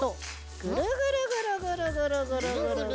ぐるぐるぐるぐるぐるぐるぐるぐる。